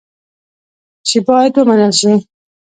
چې باید ومنل شي.